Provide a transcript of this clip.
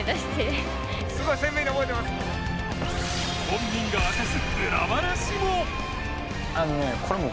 本人が明かす裏話も！